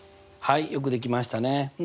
よくできましたね。